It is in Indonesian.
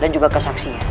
dan juga kesaksian